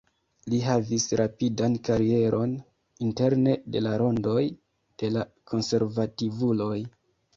Li havis rapidan karieron interne de la rondoj de la konservativuloj.